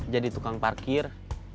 jadi tukang parkir